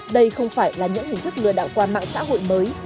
đây không phải là những hình thức lừa đảo qua mạng xã hội mới